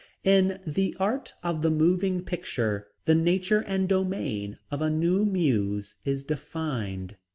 In The Art of the Moving Picture the nature and domain of a new Muse is defined.